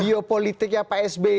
biopolitik ya pak sby